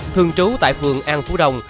thường trú tại phường an phú đông